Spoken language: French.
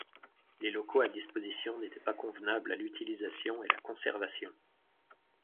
Les locaux à disposition n’étaient pas convenables à l’utilisation et la conservation.